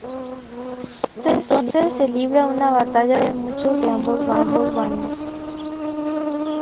Entonces se libra una batalla donde mueren muchos de ambos bandos.